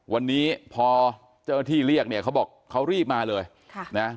วันนี้พอเจ้าหน้าที่เรียกเนี่ยเขาบอกเขารีบมาเลยค่ะนะ